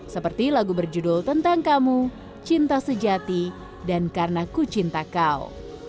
seperti lagu berjudul tentang kamu cinta sejati dan karena ku cinta kau